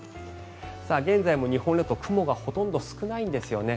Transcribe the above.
現在も日本列島雲がほとんど少ないんですね。